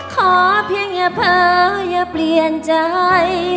ขอเพียงอย่าเผลออย่าเปลี่ยนใจ